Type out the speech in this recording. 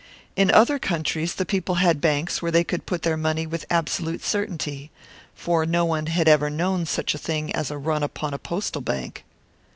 In other countries the people had banks where they could put their money with absolute certainty; for no one had ever known such a thing as a run upon a postal bank.